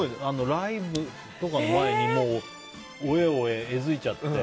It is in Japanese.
ライブとかの前にもう、オエオエえづいちゃって。